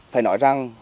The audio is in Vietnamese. phải nói rằng